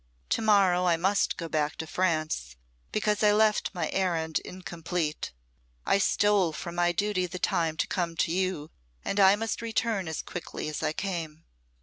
To morrow I must go back to France, because I left my errand incomplete. I stole from duty the time to come to you, and I must return as quickly as I came."